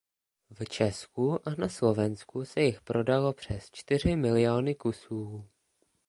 V Česku a na Slovensku se jich prodalo přes čtyři miliony kusů.